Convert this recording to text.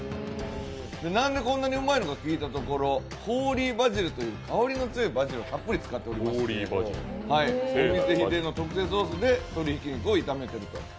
何でこんなにうまいのかきいたところ、ホーリーバジルという香りの強いバジルをたっぷり使っていてお見せ秘伝の特製ソースで鶏肉を炒めていると。